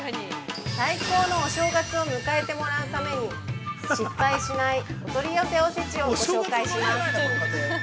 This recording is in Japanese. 最高のお正月を迎えてもらうために失敗しないお取り寄せおせちをご紹介します。